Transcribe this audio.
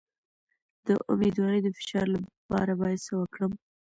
د امیدوارۍ د فشار لپاره باید څه وکړم؟